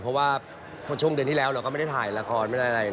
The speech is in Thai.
เพราะว่าพอช่วงเดือนที่แล้วเราก็ไม่ได้ถ่ายละครไม่ได้อะไร